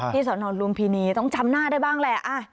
ที่สอนอรุมพินีต้องฉำหน้าได้บ้างเลย